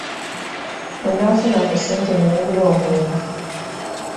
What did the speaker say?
Bwe nnafuna ku ssente ne ngula omwenge.